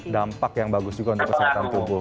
dampak yang bagus juga untuk kesehatan tubuh